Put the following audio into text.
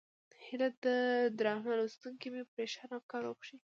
هیله ده درانه لوستونکي مې پرېشانه افکار وبښي.